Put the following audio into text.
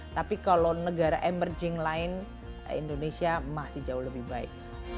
tapi kalau negara emerging lain indonesia masih jauh lebih baik